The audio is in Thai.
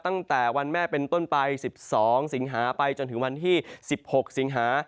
ตั้งแต่วันแม่เป็นต้นไป๑๒สิงหาไปจนถึงวันที่๑๖สิงหา